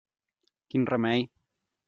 Quin remei!